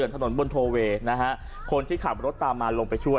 ถนนบนโทเวย์นะฮะคนที่ขับรถตามมาลงไปช่วย